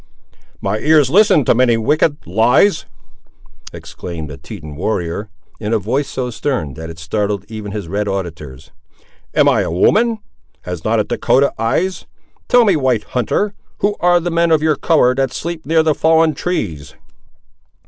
"My ears listen to many wicked lies!" exclaimed the Teton warrior, in a voice so stern that it startled even his red auditors. "Am I a woman? Has not a Dahcotah eyes? Tell me, white hunter; who are the men of your colour, that sleep near the fallen trees?"